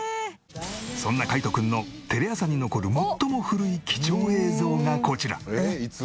そんな海人君のテレ朝に残る最も古い貴重映像がこちら。